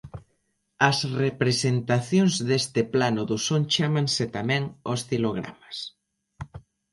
As representacións deste plano do son chámanse tamén oscilogramas.